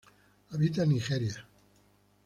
Habita en Nigeria.